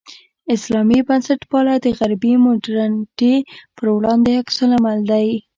اسلامي بنسټپالنه د غربي مډرنیتې پر وړاندې عکس العمل دی.